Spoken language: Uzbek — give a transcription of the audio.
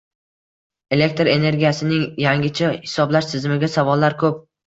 Elektr energiyasining yangicha hisoblash tizimiga savollar koʻp.